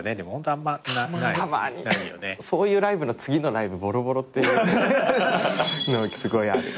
そういうライブの次のライブボロボロっていうのすごいある。